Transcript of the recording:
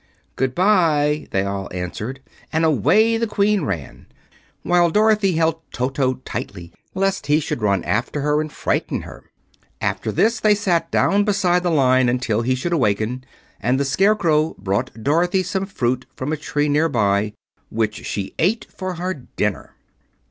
"Good bye!" they all answered, and away the Queen ran, while Dorothy held Toto tightly lest he should run after her and frighten her. After this they sat down beside the Lion until he should awaken; and the Scarecrow brought Dorothy some fruit from a tree near by, which she ate for her dinner.